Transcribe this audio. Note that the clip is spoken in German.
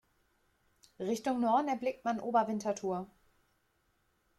Richtung Norden erblickt man Oberwinterthur.